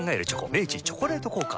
明治「チョコレート効果」